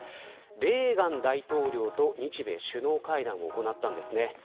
レーガン大統領と日米首脳会談を行いました。